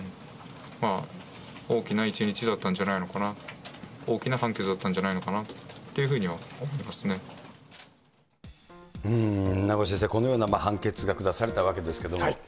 大きな一日だったんじゃないのかな、大きな判決だったんじゃない名越先生、このような判決が下されたわけですけども。